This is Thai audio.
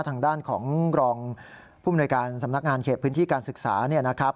ทางด้านของรองผู้มนวยการสำนักงานเขตพื้นที่การศึกษาเนี่ยนะครับ